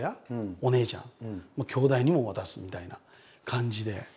お姉ちゃんきょうだいにも渡すみたいな感じで。